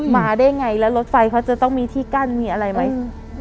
มาได้ไงแล้วรถไฟเขาจะต้องมีที่กั้นมีอะไรไหม